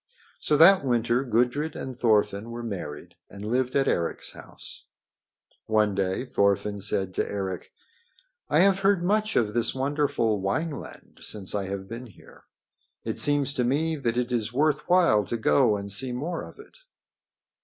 So that winter Gudrid and Thorfinn were married and lived at Eric's house. One day Thorfinn said to Eric: "I have heard much of this wonderful Wineland since I have been here. It seems to me that it is worth while to go and see more of it."